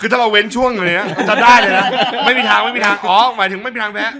คือถ้าเราเว้นช่วงนี้จับได้เลยนะไม่มีทางอ๋อหมายถึงไม่มีทางแพ้